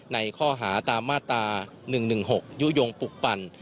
ในข้อหาตามมาตรา๑๑๖ยุโยงปลุกปั่น